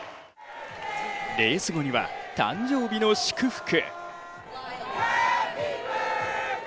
レース後には誕生日の祝福。